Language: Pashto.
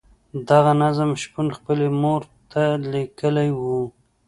دغه نظم شپون خپلې مور ته لیکلی وو.